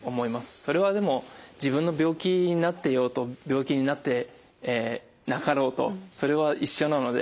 それはでも自分の病気になっていようと病気になってなかろうとそれは一緒なので。